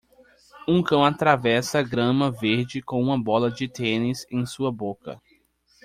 Um cão atravessa a grama verde com uma bola de tênis em sua boca.